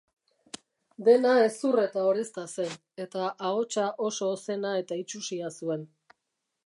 Dena hezur eta orezta zen, eta ahotsa oso ozena eta itsusia zuen.